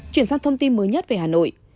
chuyển sang thông tin mới nhất về hà nội